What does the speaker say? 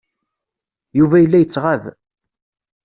Yuba yella yettɣab.